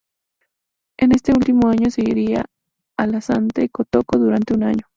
En este último año se iría al Asante Kotoko durante un año.